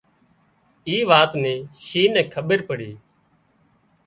اي وات نِي شينهن نين کٻير پڙي